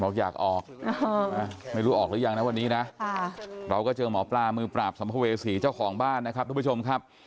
อยากออกไม่รู้ออกหรือยังนะวันนี้นะเราก็เจอหมอปลามือปราบสัมภเวษีเจ้าของบ้านนะครับทุกผู้ชมครับ